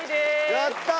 やったー！